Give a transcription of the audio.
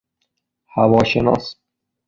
هوا شناس